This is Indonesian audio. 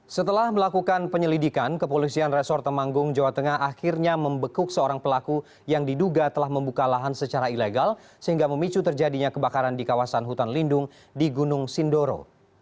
setelah melakukan penyelidikan kepolisian resor temanggung jawa tengah akhirnya membekuk seorang pelaku yang diduga telah membuka lahan secara ilegal sehingga memicu terjadinya kebakaran di kawasan hutan lindung di gunung sindoro